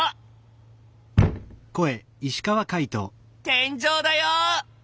天井だよ！